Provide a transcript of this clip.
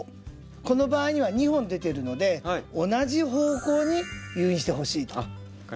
この場合には２本出てるので同じ方向に誘引してほしいということなんですね。